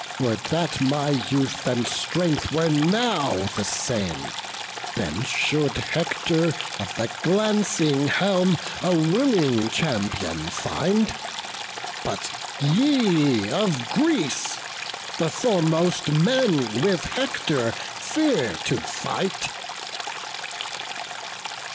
Would that my youth and strength were now the same; Then soon should Hector of the glancing helm A willing champion find; but ye, of Greece The foremost men, with Hector fear to fight."